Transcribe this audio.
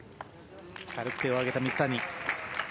軽く手を上げた水谷。